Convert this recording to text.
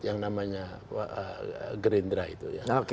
yang namanya gerindra itu